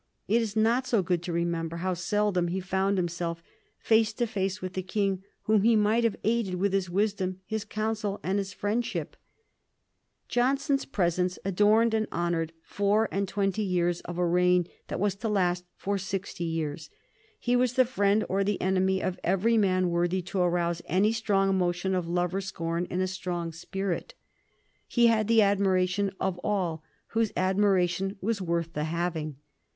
It is not so good to remember how seldom he found himself face to face with the King, whom he might have aided with his wisdom, his counsel, and his friendship. [Sidenote: 1763 Johnson's influence on literature] Johnson's presence adorned and honored four and twenty years of a reign that was to last for sixty years. He was the friend or the enemy of every man worthy to arouse any strong emotion of love or scorn in a strong spirit. He had the admiration of all whose admiration was worth the having.